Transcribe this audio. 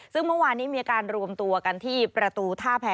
ซึ่งเมื่อวานนี้มีการรวมตัวกันที่ประตูท่าแพ้